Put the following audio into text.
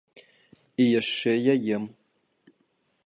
І яшчэ я ем.